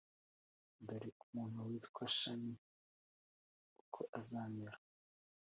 Dore umuntu witwa Shami uko azamera